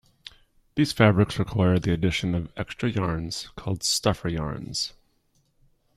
These fabrics require the addition of extra yarns, called stuffer yarns.